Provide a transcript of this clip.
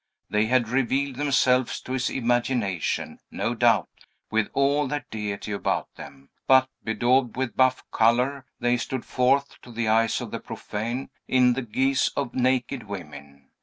They had revealed themselves to his imagination, no doubt, with all their deity about them; but, bedaubed with buff color, they stood forth to the eyes of the profane in the guise of naked women.